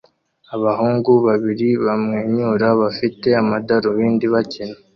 Abahungu babiri bamwenyura bafite amadarubindi bakina